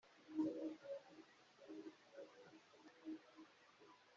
kandi azakomeza kwiyongera